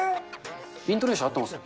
イントネーション合ってます？